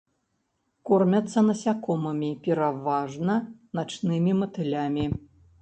Кормяцца насякомымі, пераважна начнымі матылямі.